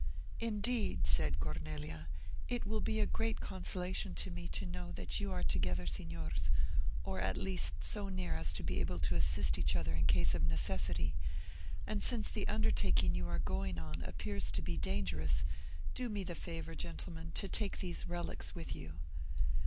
"Indeed," said Cornelia, "it will be a great consolation to me to know that you are together, Signors, or at least so near as to be able to assist each other in case of necessity; and since the undertaking you are going on appears to be dangerous, do me the favour, gentlemen, to take these Relics with you."